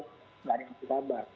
jadi saya cek ke beberapa teman